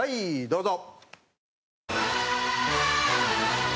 どうぞ。